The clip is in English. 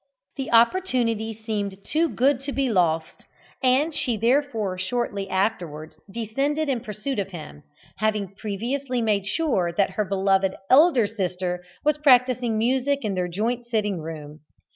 The opportunity for a tête à tête seemed too good to be lost, and she therefore shortly afterwards descended in pursuit of him, having previously made sure that her beloved elder sister was practising music in their joint sitting room.